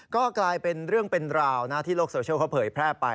ก็กลายเป็นเรื่องเป็นราวนะที่โลกโซเชียลเขาเผยแพร่ไป